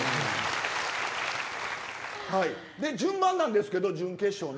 順番なんですけど準決勝の。